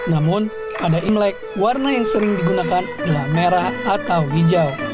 namun pada imlek warna yang sering digunakan adalah merah atau hijau